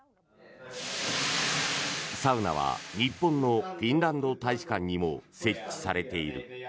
サウナは日本のフィンランド大使館にも設置されている。